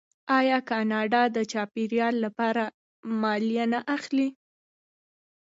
آیا کاناډا د چاپیریال لپاره مالیه نه اخلي؟